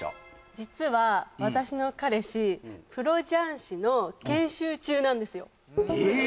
実は私の彼氏プロ雀士の研修中なんですよええ？